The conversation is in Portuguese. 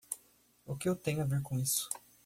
O que eu tenho a ver com isso?